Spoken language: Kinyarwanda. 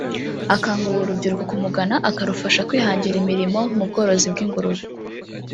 Akangurira urubyiruko kumugana akarufasha kwihangira imirimo mu bworozi bw’ingurube